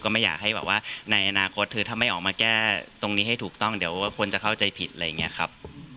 ไม่อยากให้แบบว่าในอนาคตคือถ้าไม่ออกมาแก้ตรงนี้ให้ถูกต้องเดี๋ยวคนจะเข้าใจผิดอะไรอย่างนี้ครับ